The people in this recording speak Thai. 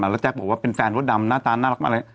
แล้วแจ๊คบอกว่าเป็นแฟนมดดำหน้าตาน่ารักอะไร